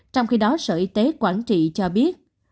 trong khi đó sở y tế quảng trị cho biết